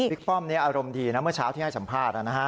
ป้อมนี้อารมณ์ดีนะเมื่อเช้าที่ให้สัมภาษณ์นะฮะ